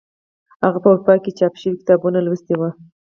هغه په اروپا کې چاپ شوي کتابونه لوستي وو.